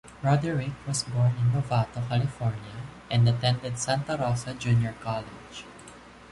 Roderick was born in Novato, California, and attended Santa Rosa Junior College.